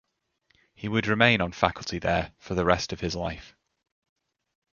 He would remain on faculty there for the rest of his life.